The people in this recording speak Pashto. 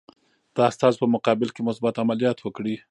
د استازو په مقابل کې مثبت عملیات وکړي.